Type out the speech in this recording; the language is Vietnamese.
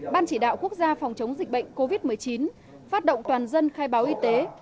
ban chỉ đạo quốc gia phòng chống dịch bệnh covid một mươi chín phát động toàn dân khai báo y tế